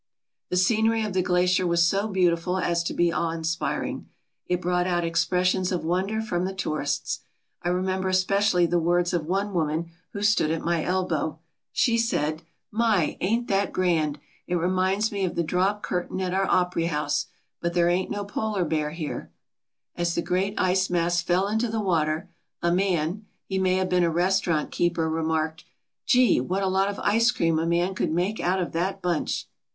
The scenery of the glacier was so beautiful as to be awe inspiring. It brought out expressions of wonder from the tourists. I remember especially the words of one woman who stood at my elbow. She said : "My, ain't that grand! It reminds me of the drop curtain at our opery house. But there ain't no polar bear here." As the great ice mass fell into the water a man he may have been a restaurant keeper remarked: "Gee, what a lot of ice cream a man could make out of that bunch!"